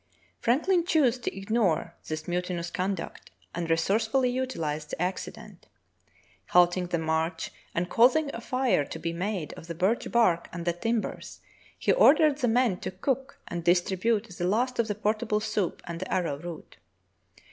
Frank lin chose to ignore this mutinous conduct and resource fully utilized the accident. Halting the march and causing a fire to be made of the birch bark and the tim bers, he ordered the men to cook and distribute the last of the portable soup and the arrow root.